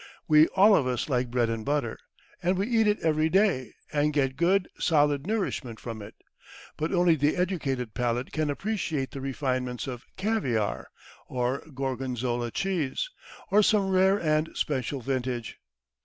We all of us like bread and butter, and we eat it every day and get good, solid nourishment from it; but only the educated palate can appreciate the refinements of caviar, or Gorgonzola cheese, or some rare and special vintage.